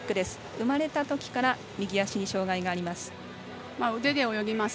生まれたときから右足に障がいがあります。